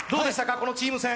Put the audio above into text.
このチーム戦。